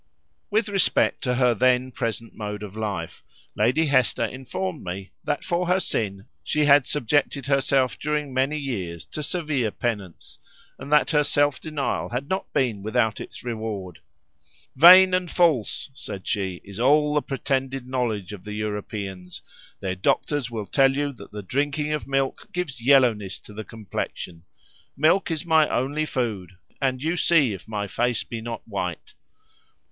With respect to her then present mode of life, Lady Hester informed me, that for her sin she had subjected herself during many years to severe penance, and that her self denial had not been without its reward. "Vain and false," said she, "is all the pretended knowledge of the Europeans—their doctors will tell you that the drinking of milk gives yellowness to the complexion; milk is my only food, and you see if my face be not white."